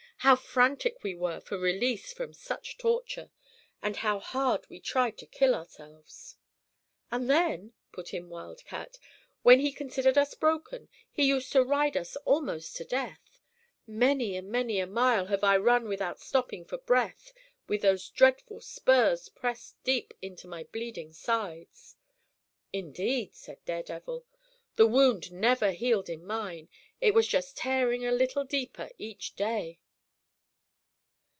How frantic we were for release from such torture, and how hard we tried to kill ourselves." "And then," put in Wildcat, "when he considered us broken, he used to ride us almost to death. Many and many a mile have I run without stopping for breath, with those dreadful spurs pressed deep into my bleeding sides." "Indeed," said Daredevil, "the wound never healed in mine; it was just tearing a little deeper each day."